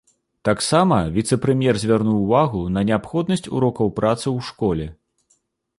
Таксама віцэ-прэм'ер звярнуў увагу на неабходнасць урокаў працы ў школе.